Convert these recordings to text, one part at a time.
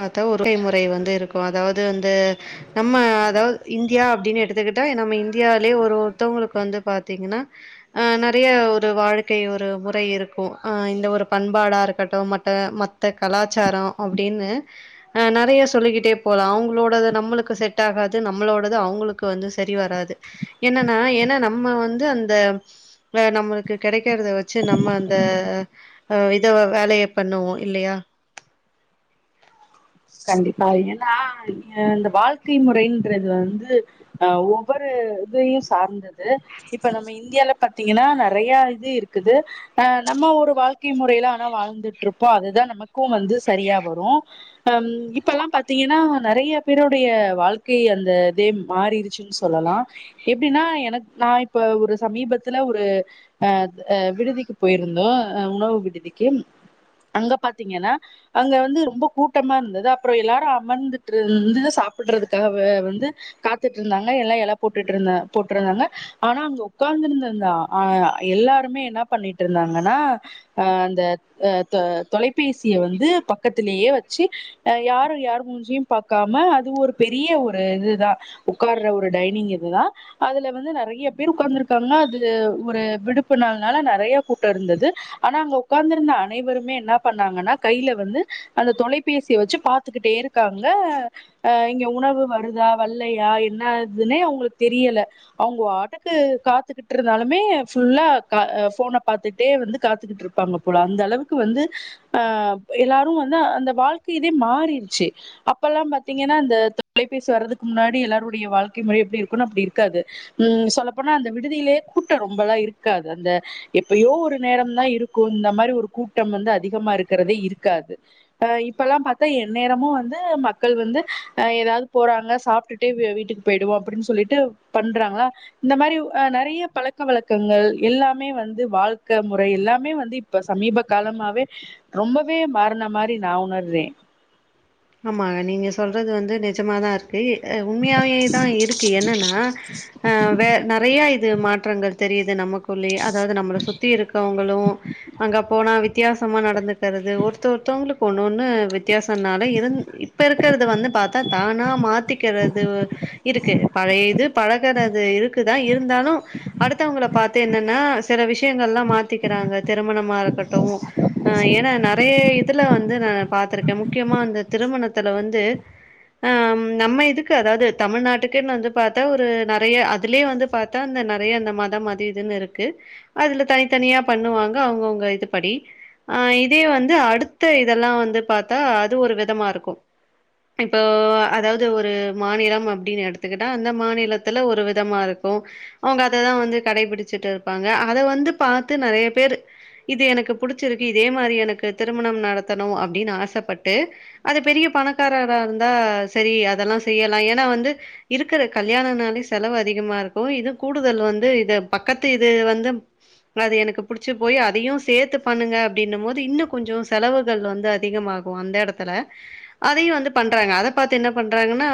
பாத்தா ஒருடை முறை வந்து இருக்கு அதாவது அந்த நம்ம அதாவ் இந்தியா அப்டின்னு எடுத்துக்கிட்டா நம்ம இந்தியாலேயே ஒரு ஒருத்தவங்களுக்கு வந்து பாத்தீங்கன்னா ஆ நெறைய ஒரு வாழ்க்கை ஒரு முறை இருக்கு ஆ இந்த ஒரு பண்பாடா இருக்கட்டு மத்த மத் த கலாச்சாரோ அப்டின்னு ஆ நறைய சொல்லிக்கிட்டே போலா அவுங்களோடது நம்ளுக்கு செட் ஆகாது நம்ளோடது அவுங்களுக் கு வந்து சரி வராது என்னன்னா என்னா நம்ம வந்து அந்த த நம்மளுக்கு கெடைக்கறத வச்சு நம்ம அந்த இதவ வேலைய பண்ணுவோ இல்லையா கண்டிப்பா ஏன்னா இந்த வாழ்க்கை முறைன்றது வந்து அ ஒவ்வொரு இதையு சார்ந்தது இப்ப நம்ம இந்தியால பாத்தீங்கன்னா நெறைய இது இருக்குது அ நம்ம ஒரு வாழ்க்கை முறைல ஆனா வாழ்ந்துட்ருப்போ அதுதா நமக்கு வந்து சரியா வரு அம் இப்பல்லா பாத்தீங்கன்னா நறைய பேரோடைய வாழ்க்கை அந்த இதே மாறிடுச்சுன் சொல்லலா எப்டின்னா எனக் நா இப்ப ஒரு சமீபத்துல ஒரு அ அ விடுதிக்கு போயிருந்தோ அ உணவு விடிதிக்கு அங்க பாத்தீங்கன்னா அங்க வந்து ரொம்ப கூட் ட்டமா இருந்தது அப்றோ எல்லாரு அமர்ந்துட்ருந்து சாப்புட்றதுக்காக வந்து காத்துட்ருந்தாங்க எல்லா எல போட்டுட்ருந்த போட்ருந்தாங்க ஆனா அங்க ஒட்காந்துருந்தந்த ஆ எல்லாருமே என்ன பண்ணிட்ருந்தாங்கன்னா அ அந்த அ தொ தொலைபேசிய வந்து பக்கத்திலேயே வச் ச்சி அ யாரு யார் மூஞ்சயு பாக்காம அது ஒரு பெரிய ஒரு இதுதா உட்கார்ற ஒரு டைனிங் இதுதா அதுல வந்து நெறைய பேரு உட்காந்துருக்காங்க அது ஒரு விடுப்பு நாள்னால நெறைய கூட்ட இருந்துது ஆனா அங்க ஒட்கார்ந்துருந்த அனைவருமே என்ன பண்ணாங்கன்னா கைய்ல வந்து அந்த தொலைப் பேசிவச்சு பாத்துக்கிட்டே இருக்காங்க அ இங்க உணவு வருதா வல்லையா என்ன இதுன்னே அவுங்களுக்கு தெரியல அவுங்க வாட்டுக்கு காத்துகிட்ருந்தாலுமே ஃபுல்லா க ஃபோன பாத்துட்டே வந்து காத்துக்கிட்ருக் ப்பாங்க போல அந்தளவுக்கு வந்து அ எல்லாரு வந்து அந்த வாழ்க்க இதே மாறிட்ச்சு அப்பல்லா பாத்தீங்கன்னா அந்த தொலைபேசி வர்றதுக்கு முன்னாடி எல்லாருடைய வாழ்கை முறை எப்டி இருக்கனு அப்டி இருக்காது ம் சொல்லப்போனா அந்த விடுதியிலே கூட்ட ரொம்பெல்லா இருக்காது அந்த எப்பயோ ஒரு நேரம்தா இருக்கு இந்த மாரி ஒரு கூட்டம் வந்து அதிகமா இருக்கறதே இருக்காது அ இப்பல்லா பாத்தா என் நேரமு வந்து மக்கள் வந்து அ ஏதாவது போறாங்க சாப்டுட் ட்டு வீ வீட்டுக்கு போயிடுவோ அப்டின் சொல்லிட்டு பண்றாங்களா இந்த மாரி அ நெறைய பழக்க வழக்கங்கள் எல்லாமே வந்து வாழ்க்கை முறை எல்லாமே வந்து இப்ப சமீப காலமாவே ரொம்பவே மாருன மாரி நா உணர்றே ஆமா நீங்க சொல்கறது வந்து நெஜமா தா இருக் கு அ உண்மையாவே தா இருக்கு என்னன்னா அ வே நெறைய இது மாற்றங்கள் தெரியிது நமக்குள்ளேயே அதாது நம்மள சுத்தி இருக்கவங்களு அங்க போனா வித்தியாசமா நடந்து தரது ஒருத்த ஒருத்தவங்களுக்கு ஒண்ணு ஒண்ணு வித்தியாச நா ந இருந் இப்ப இருக்கறது வந்து பாத்தா தானா மாத்திக்கறது இருக்கு பழய இது பழகுறது இருக்குதா இருந்தாலு அடுத்தவங்கள பாத்து என்னன்னா சில விஷயங்கள்லா மாத்திக்கிறாங்க திருமணமா இருக்கட்டு ஆ ஏன்னா நெறைய இதுல வந்து நானு பாத்திருக்கே முக்கியமா அந்த திருமணத்துல வந்து ஆ ம் நம்ம இதுக்கு அதாவது தமிழ்நாட்டுக்குன்னு வந்து பாத்தா ஒரு நெறைய அதுலயே வந்து பா த்தா இந்த நெறைய அந்த மதம் அது இதுன்னு இருக்கு அதுல தனித்தனியா பண்ணுவாங்க அவங்கவுங்க இது படி ஆ இதே வந்து அடுத்த இதெல்லா வந்து பாத்தா அது ஒரு விதமா இருக்கு இப்போ அ அதாவது ஒரு மாநிலம் அப்டின் எடுத்துக்கிட்டா அந்த மாநிலத்துல ஒரு விதமா இருக்கு அவங்க அததா வந்து கடைபிடிச்சிட்டு இருப்பாங்க அத வந்து பாத்து நெறைய பேரு இது எனக்கு புடிச்சிருக்கு இதே மாரி எனக்கு திருமணம் நடத்தணு அப்டின்னு ஆசப்பட்டு அது பெரிய பணக்காரரா இருந்தா சரி அதெல்லா செய்யலா ஏன்னா வந்து இருக்குற கல்யாணனாலே செலவு அதிகமா இருக்கு இது கூடுதல் வந்து இது பக்கத்து இது வந்து அது எனக்கு புடிச்சு போயி அதையு சேத்து பண்ணுங்க அப்டின்னும் போது இன்னு கொஞ்சோ செலவுகள் வந்து அதிகமா கு அந்த எடத்துல அதையு வந்து பண்றாங்க அத பாத்து என்ன பண்றாங்கன்னா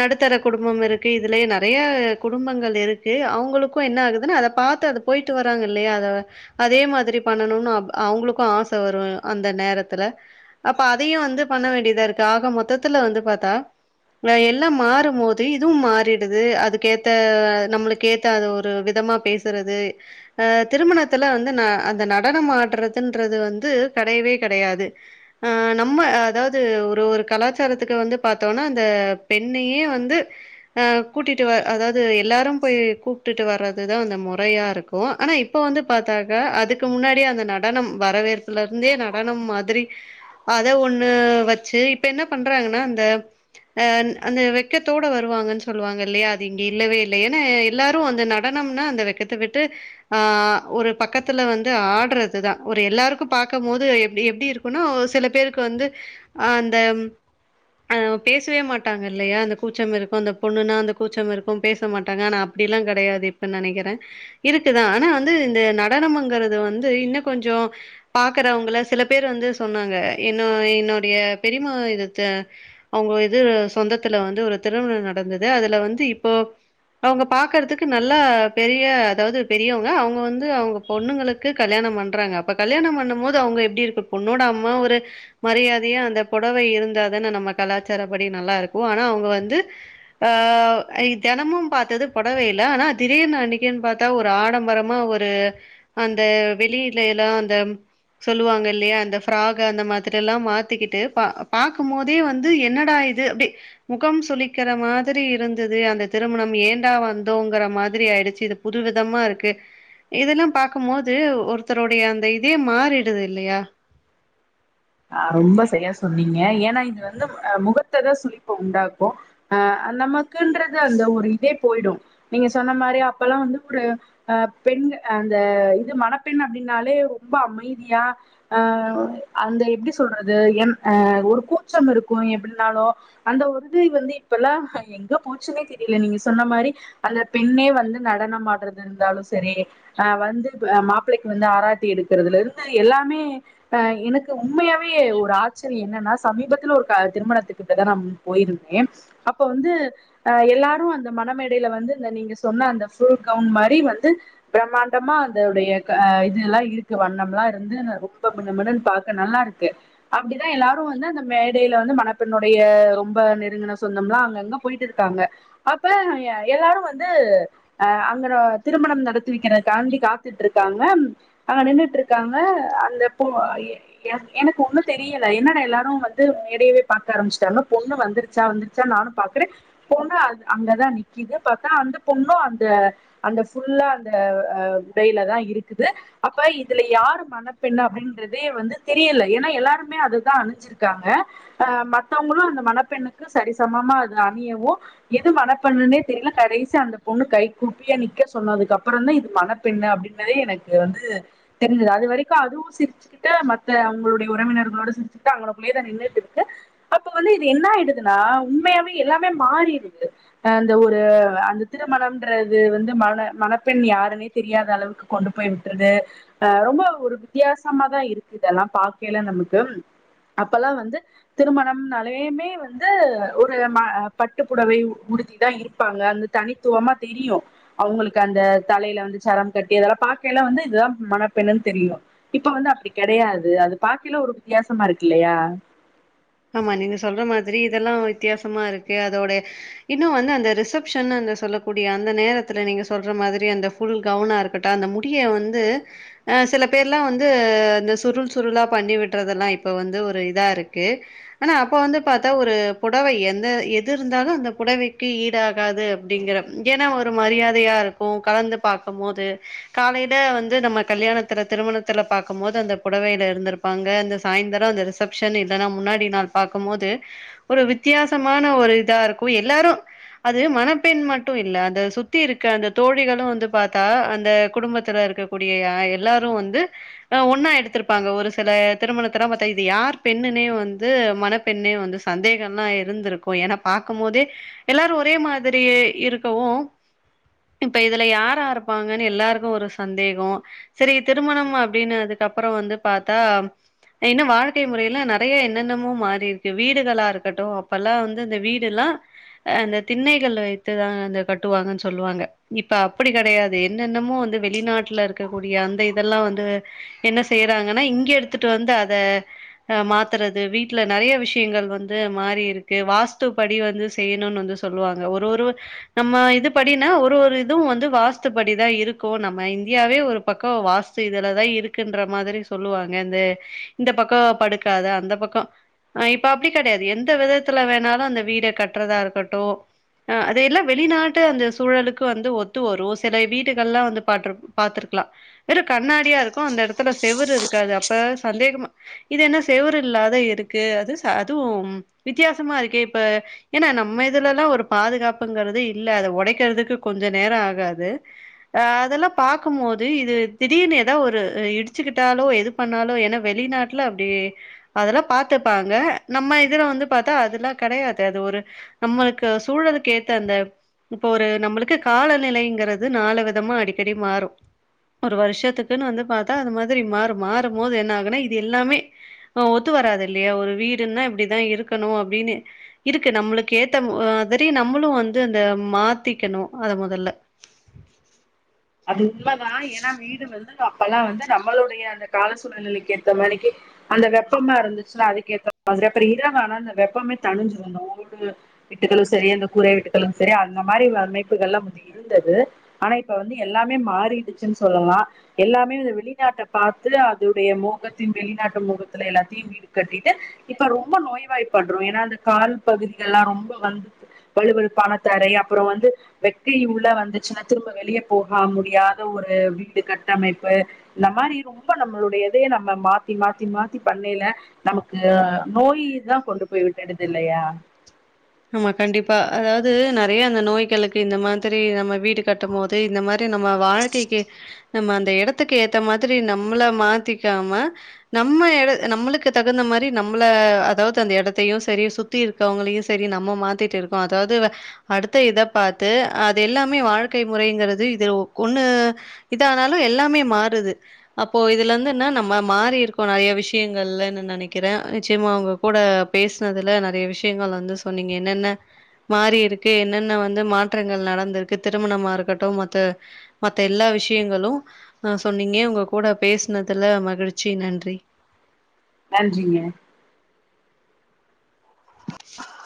நடுத்தர குடும்பம் இருக்கு இதுலயே நெறைய குடும்பங்கள் இருக்கு அவங்களுக்கு என்ன ஆகுதுன்னா அத பாத்து அது போயிட்டு வராங்க இல்லையா அத அதே மாதிரி பண்ணணுன்னு அப் அவங்களுக்கு ஆச வரு அந்த நேரத்துல அப்ப அதயு வந்து பண்ண வேண்டியதா இருக்கு ஆக மொத்தத்துல வந்து பாத்தா ஆ எல்லா மாறும் போது இதுவு மாறிடுது அதுக்கேத்த நம்மளு க்கேத்த அது ஒரு விதமா பேசுறது ஆ திருமணத்துல வந்து ந அந்த நடனம் ஆடுறதுன்றது வந்து கெடையவே கெடையாது ஆ நம்ம ஆ அதாவது ஒரு ஒரு கலாச்சாரத்துக்கு வந்து பாத்தோன்னா அந்த பெண்ணையே வந்து ஆ கூட்டிட்டு வ அதாவது எல்லாரு போய் கூப்ட்டுட்டு வர்ற துதா அந்த முறையா இருக்கு ஆனா இப்ப வந்து பாத்தாக்கா அதுக்கு முன்னாடியே அந்த நடனம் வரவேற் புல இருந்தே நடனம் மாதிரி அத ஒன் னு வச்சு இப்ப என்ன பண்றாங்கனா அந்த ஆ ந் அந்த வெக்கத்தோட வருவாங்கன் சொல்வாங்க இல்லயா அது இங்க இல்லவே இல்ல ஏன்னா எல்லாரு அந்த ந டனம்னா அந்த வெக்கத்த விட்டு ஆ ஒரு பக்கத்துல வந்து ஆட்றதுதா ஒரு எல்லாருக்கு பாக்கம்போது எப்டி எப்டி இரு க்குன்னா ஒரு சில பேருக்கு வந்து ஆ அந்த ஆ பேசவே மாட்டாங்க இல்லையா அந்த கூச்சம் இருக்கு அந்த பொண்ணுன்னா அந்த கூச்சம் இருக்கு பேச மாட்டாங்க ஆனா அப்டிலா கெடையாது இப்பன்னு நெனைக்கிற இருக்குதா ஆனா வந்து இந்த நடனமுங்கறது வந்து இன்னு கொஞ்சோ பாக்கறவங்கள சில பேர் வந்து சொன்னாங்க என்னு என்னுடைய பெரியம்மா இது த அவங்க இது சொந்தத்துல வந்து ஒரு திருமணோ நடந்தது அதுல வந்து இப்போ அவங்க பாக்கறதுக்கு நல்ல பெரிய அதாவது பெரியவங்க அவங்க வந்து அவங்க பொண்ணுங்களுக்கு கல்யாண பண்றாங்க அப்ப கல்யாண பண்ணும் போது அவுங்க எப்டி இருக்கு பொண்ணோட அம்மா ஒரு மரியாதையா அந்த பொடவை இருந்தாதான நம்ம கலாச்சாரப் படி நல்லா இருக்கு ஆனா அவங்க வந்து ஆ அ இ தெனமும் பாத்தது பொடவைல ஆனா திடீர்னு அன்னக்கின் பாத் தா ஒரு ஆடம்பரமா ஒரு அந்த வெளியில எல்லா அந்த சொல்லுவாங்க இல்லையா அந்த ஃப்ராக் அந்த மா திரில்லா மாத்திக்கிட்டு பா பாக்கும் போதே வந்து என்னடா இது அப்டி முகம் சுளிக்கிற மாதிரி இருந்தது அந்த திருமணம் ஏண்டா வந்தோங்கிற மாதிரி ஆயிடுச்சு இது புது விதமா இருக்கு இதுல்லா பாக்குபோது ஒருத்தருடைய அந்த இதே மாறிடுது இல்லயா அ ரொம்ப சையா சொன்னீங்க ஏன்னா இது வந்து முகத்ததா சுளிப்ப உண்டாக்கு அ நமக்குன்றது அந்த ஒரு இதே போயிடு நீங்க சொன்ன மாரி அப்பல்லா வந்து ஒரு அ பெண்னு அந்த இது மணப்பெண் அப்டின்னாலே ரொம்ப அமைதியா அ அந்த எப்டி சொல்றது என் அ ஒரு கூச்சம் இருக்கு எப்பிடின்னாலு அந்த ஒரு இது வந்து இப்பல்லா எங்க போச்சுன்னே தெரியல நீங்க சொன்ன மாரி அந்த பெண்ணே வந்து நடனம் ஆட்றது இருந்தாலு செரி அ வந்து இப்ப மாப்ளைக்கு வந்து ஆராத்தி எடுக்குறதுலேருந்து எல்லாமே அ எனுக்கு உண்மையாவே ஒரு ஆச்சிரிய என்னன்னா சமீபத்துல ஒரு க திருமணத்துக்கிட்டதா நாம் போயிருந்தே அப்ப வந்து அ எல்லாரு அந்த மனமேடையில வந்து இந்த நீங்க சொன்ன அந்த ஃபுல் கவுன் மாரி வந்து பிரம்மாண்டமா அந்த உடைய க இதுல்லா இருக்கு வண்ணம்லா இருந்து ந ரொம்ப மினுமினுன் பாத் க நல்லாருக்கு அப்படிதா எல்லாரு வந்து அந்த மேடையில வந்து மனப்பெண்ணுடைய ரொம்ப நெருங்குன சொந்தம்லா அங்கங்க பொய்ட் இருக்காங்க அப்ப எ எல்லாரு வந்து அ அங்கன திருமணம் நடத்துவிக்கிறதுக்காண்டி காத்துட்ருக்காங்க அங்க நின்னுட்ருக்காங்க அந்த பொ ய எனக்கு ஒன்னு தெரியல என்னடா எல்லாரு வந்து மேடையவே பாக்க ஆரமிச்ட்டாங்க பொண்ணு வந்துருச்சா வந்துரு ச நானு பாக்குறே பொண்ணு அது அங்கதா நிக்கிது பாத்தா அந்த பொண்ணு அந்த அந்த ஃபுல்லா அந்த அ உடைலதா இருக்குது அப்ப இதுல யாரு மனப்பெண்னு அப்டின்றதே வந்து தெரியல ஏன்னா எல்லாருமே அதுதா அணிஞ்சிருக்காங்க அ மத்தவுங்குளு அந்த மனப்பெண்ணுக்கு சரிசமமா அது அணியவு எது மனப்பெண்ணுனே தெரில கடைசியா அந்த பொண்ணு கை குப்பியா நிக்க சொன்னதுக்கு அப்புறந்தா இது மனப் பெண்ணு அப்டின்றதே எனக்கு வந்து தெரிஞ்சது அது வரைக்கு அதுவு சிரிச்சுக்கிட்டு து அவுங்களுடைய உறவினர்களோட சிரிக்குட்டு அங்கனக்குள்ளயேதா நின்னுட் இருக்கு அப்ப வந்து இது என்ன ஆய்டுதுனா உண்மையாவே எல்லாமே மாறிருது அந்த ஒரு அந்த திருமணம்ன்றது வந்து மன மணப்பெண் யாருனே தெரியாத அளவுக்கு கொண்டு போய் விட்ருது அ ரொம்ப ஒரு வித்யாசமாதா இருக் இதல்லா பாக்கயில நமுக்கு அப்பலா வந்து திருமணம்னலயுமே வந்து ஒரு பட்டுப்புடவை ஊடுத்திதா இருப்பாங்க தனித்துவமா தெரியு அவுங்களுக்கு அந்த தலையில வந்து சரம் கட்டி அதல்லா பாக்கயில வந்து இதுதா மனப்பெண்ணுன் தெரியு இப்ப வந்து அப்டி கெடையாது அது பாக்கைல ஒரு வித்யாசமா இருக்கு இல்லயா ஆமா நீங்க சொல்ற மாதுரி இதல்லா வித்யாசமா இருக்கு அதோடய இன்னு வந்து அந்த ரிசப்ஷன் அந்த சொல்லக்கூடிய அந்த நேரத்துல நீங்க சொல்ற மாதுரி அந்த ஃபுல் கவன இருக்கட்ட அந்த முடிய வந்து அ சில பேர்லா வந்து இந்த சுருள் சுருளா பண்ணி விட்றதெல்லா வந்து ஒரு இதா இருக்கு அனா அப்ப வந்து பாத்தா ஒரு புடவை எந்த எது இருந்தாலு அந்த புடவைக்கு ஈடாகாது அப் அப்டிங்கிற ஏனா ஒரு மரியாதையா இருக்கு கலந்து பாக்கமோது காலைல வந்து நம்ம கல்யாணத் துல திருமணத்துல பாக்கும்மோது அந்த புடவையில இருந்துருப்பாங்க அந்த சாய்ந்தரோ அந்த ரிசப்ஷன் இல்லனா முன்னா டி நாள் பாக்கும்மோது ஒரு வித்தயாசமான இதா இருக்கு எல்லாரு அது மனப்பெண் மட்டு இல்ல அந்த சுத்தி இருக்க அந்த தோழிகளு வந்து பாத்தா அந்த குடும்பத்துல இருக்க கூடிய ய எல்லாரு வந்து அ ஒன்னா எடுத்துருப்பாங்க ஒரு செல திருமணத்தலா பாத்தா இது யார் பெண்ணுனே வந் து மனப்பெண்ணே வந்து சந்தேகல்லா இருந்திருக்கு ஏனா பாக்கு மோதே எல்லாரு ஒரே மாதிரி இருக்கவு இப்ப இதுல யாரா இருப்பாங்கன்னு எல்லாருக்கு ஒரு சந்தேகோ சரி திருமணம் அப்டின்னதுக்கு அப்றோ வந்து பாத்தா இன்னு வாழ்க்கை முறையில நெறைய என்னன்னமோ மாரிருக்கு வீடுகளா இருக்கட்டு அப்பல்லா வந்து இந்த வீடுல்லா அந்த திண்ணைகள் வைத்துதா அந்த கட்டுவாங்கன் சொல்லுவாங்க இப்ப அப்டி கெடையாது என்னன்னமோ வந்து வெளிநாட்ல இருக்கக் கூடிய அந்த இதெல்லா வந்து என்ன செய்றாங்கனா இங்க எடுத்துட்டு வந்து அத அ மாத் தறது வீட்ல நெறைய விஷியங்கள் வந்து மாரி இருக்கு வாஸ்துப் படி வந்து செய்யணுனு வந்து சொல்லுவாங்க ஒரு ஒரு நம்ம இது படினா ஒரு ஒரு இதுவு வந்து வாஸ்து படிதா இருக்கு நம்ம இந்தியாவே ஒரு பக்கோ வாஸ் சி இதுலதா இருக்குன்ற மாதிரி சொல்லுவாங்க இந்த இந்த பக்கோ படுக்காத அந்த பக்கோ அ இப்ப அப்டி கெடையாது எந்த விதத்துல வேணாலு அந்த வீட கட்றதா இருக்கட்டு அ அதையெல்லா வெளிநாட்டு அந்த சூழலுக்கு வந்து ஒத்து வரு சில வீடுகள்ளா வந்து பாட்டுரு பாத்துருக்லா வெறு கண்ணாடியா இருக்கு அந்த எடத்துல செவுரு இருக்காது அப்ப சந்தேகமா இது என்ன செவுரு இல்லாத இருக்கு அது அதுவு வித்தியாசமா இருக்கே இப்ப ஏனா நம்ம இதுலல்லா ஒரு பாதுகாப்புங்கறது இல்ல அத ஒடைக்கிறதுக்கு கொஞ்ச நேரோ ஆகாது அ அதெல்லா பாக்கு மோது இது திடீர்னு எதா ஒரு இடிச்சிக்கிட்டாலோ எது பண்ணாலோ ஏனா வெளிநாட்ல அப்டி அதெல்லா பாத்துப்பாங்க நம்ம இதுல வந்து பாத்தா அதுலா கெடையாது அது ஒரு நம்மளுக்கு சூழலுக்கு ஏத்த அந்த இப்போ ஒரு நம்மளுக்கு கால நிலைங்கறது நாலு விதமா அடிக்கடி மாரு ஒரு வருஷத்துக்குன்னு வந்து பாத்தா அது மாதிரி மாறு மாறுபோது என்ன ஆகுனா இது எல்லாமே அ ஒத்து வராது இல்லையா ஒரு வீடுன்னா இப்டிதா இருக்கணு அப்டினு இருக்கு நம்மளுக்கு ஏத்த மாதிரி நம்மளு வந்து அந்த மாத்திக்கனு அத மொதல்ல அது உண்மதா ஏனா வீடு வந்து அப்பல்லா வந்து நம்மளுடைய அந்த கால சூழ்நிலைக்கு ஏத்த மாரிக்கி அந்த வெப்பமா இருந்துச்னா அதுக்கேத்த மாதிரி அப்றோ இரவானா அந்த வெப்பமே தனிஞ்சிரு தா ஓடு விட்டுகளு செரி அந்த கூரை வீட்டுக்களு செரி அந்த மாரி அமைப்புகள்ளா முந்தி இருந்தது ஆனா இப்ப வந்து எல்லாமே மாறிடிச்சின் சொல்லலா எல்லாமே இந்த வெளிநாட்டப் பாத்து அதுவுடைய மோகத்தின் வெளிநாட்டு மோகத்துல எல்லாத்தியு வீ டுக் கட்டிட்டு இப்ப ரொம்ப நோய் வாய்பட்றோ ஏன்னா அந்த கால் பகுதிகள்ளா ரொம்ப வந்து வலு வலுப்பான தரை அப்றோ வந்து வெக்கை உள்ள வந்துச்சினா திரும்ப வெளிய போக முடியாத ஒரு வீடு கட்டமைப்பு இந்த மாரி ரொம்ப நம்மளுடைய இதயே நம்ம மாத்தி மாத்தி மாத்தி பண்ணயில நமக்கு நோய் தா கொண்டு போய் விட்டுடுது இல்லையா ஆமா கண்டிப்பா அதாவது நெறைய அந்த நோய்களுக்கு இந்த மாதிரி நம்ம வீடு கட்டு போது இந்த மாரி நம்ம வாழ் கே கே நம்ம அந்த எடத்துக்கு ஏத்த மாதிரி நம்மள மாத்திக்காம நம்ம எட நம்மளுக்கு தகுந்த மாரி நம்மள அதாவது அந்த எடத்தையு செரி சுத்தி இருக்கவங்களையு செரி நம்ம மாத்திட் இருக்கோ அதாவது அடுத்த இத பாத்து அது எல்லாமே வாழ்க்கை முறைங்கிறது இதல ஒ ஒண்ணு இதானாலு எல்லாமே மாறுது அப்போ இதுல இந்து என்ன நம்ம மாறி இருக்கோ நெறைய விஷ்யங்கள்லன்னு நெனைக்கிற நிச்சயமா அவுங்க கூட பேசனதுல நெறைய விஷ்யங்கள் வந்து சொன்னீங்க என்னென்ன மாறி இருக்கு என்னென்ன வந்து மாற்றங்கள் நடந்திருக்கு திருமணமா இருக்கட்டு மொத்த மத்த எல்லா விஷியங்களு ஆ சொன்னீங்க உங்க கூட பேஸ்னதுல மகிழ்ச்சி நன்றி நன்றிங்க